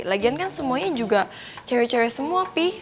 lagian kan semuanya juga cewek cewek semua pih